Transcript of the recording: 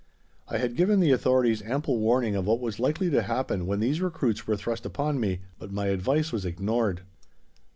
I had given the authorities ample warning of what was likely to happen when these recruits were thrust upon me, but my advice was ignored.